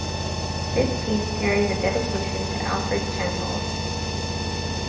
This piece carries a dedication to Alfred Chenhalls.